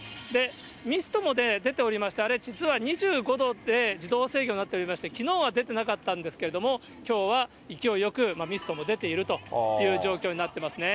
ミストも出ておりまして、あれ実は、２５度で自動制御になっておりまして、きのうは出てなかったんですけれども、きょうは勢いよくミストも出ているという状況になってますね。